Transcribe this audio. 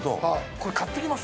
これ買っていきます？